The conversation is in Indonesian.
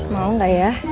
mau nggak ya